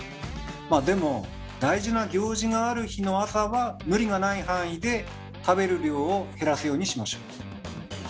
でも大事な行事がある日の朝は無理がない範囲で食べる量を減らすようにしましょう。